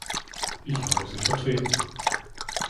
Ich habe sie vertreten.